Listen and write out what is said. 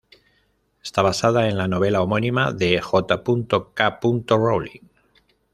Está basada en la novela homónima de J. K. Rowling.